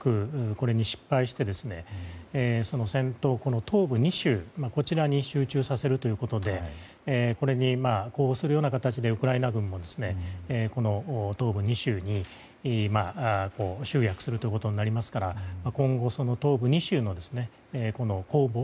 これに失敗してその戦闘を東部２州こちらに集中させるということでこれに呼応するような形でウクライナ軍もこの東部２州に集約するということになりますから今後、東部２州の攻防